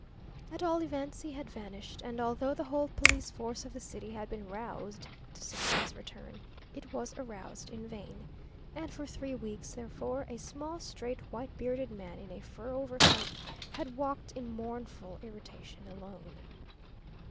At all events, he had vanished, and although the whole police force of the city had been roused to secure his return, it was aroused in vain. And for three weeks, therefore, a small, straight, white bearded man in a fur overcoat had walked in mournful irritation alone.